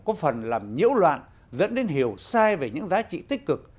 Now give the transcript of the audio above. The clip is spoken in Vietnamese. có phần làm nhiễu loạn dẫn đến hiểu sai về những giá trị tích cực